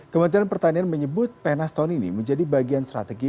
kementerian pertanian menyebut penas tahun ini menjadi bagian strategi